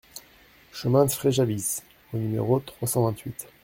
Chemin de Fréjavise au numéro trois cent vingt-huit